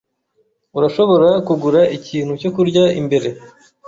Urashobora kugura ikintu cyo kurya imbere?